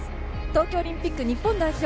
東京オリンピック日本代表